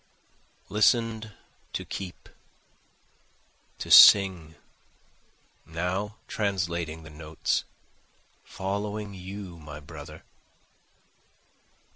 Listen'd to keep, to sing, now translating the notes, Following you my brother.